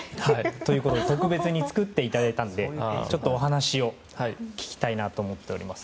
ということで特別に作っていただいたのでお話を聞きたいなと思っております。